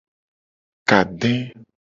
Kade.